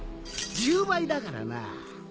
１０倍だからなあ